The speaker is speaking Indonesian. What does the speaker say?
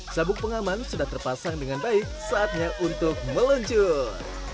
sabuk pengaman sudah terpasang dengan baik saatnya untuk meluncur